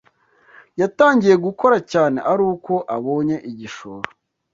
yatangiye gukora cyane aruko abonye igishoro